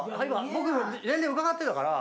僕年齢伺ってたから。